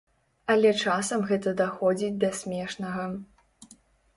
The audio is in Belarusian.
Але часам гэта даходзіць да смешнага.